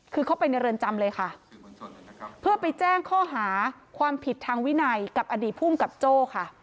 คือเข้าไปในเรือนจำเลยค่ะเพื่อไปแจ้งข้อหาความผิดทางวินัยกับอดีตภูมิกับโจ้ค่ะ